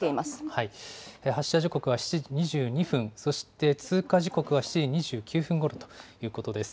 発射時刻は７時２２分、そして通過時刻は７時２９分ごろということです。